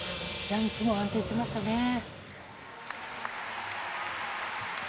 ジャンプも安定していましたね。